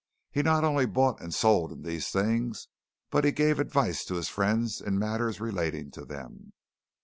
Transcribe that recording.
He not only bought and sold in these things, but he gave advice to his friends in matters relating to them.